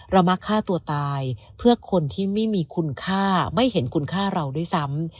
มักฆ่าตัวตายเพื่อคนที่ไม่มีคุณค่าไม่เห็นคุณค่าเราด้วยซ้ำ